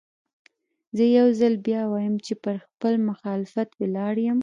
زه يو ځل بيا وايم چې پر خپل مخالفت ولاړ يم.